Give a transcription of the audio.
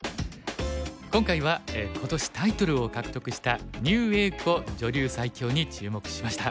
今回は今年タイトルを獲得した牛栄子女流最強に注目しました。